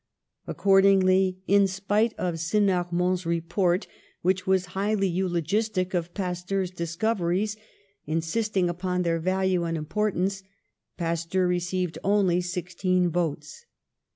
Ac cordingly, in spite of Senarmont's report, which was highly eulogistic of Pasteur's discoveries, insisting upon their value and importance, Pas teur received only sixteen votes.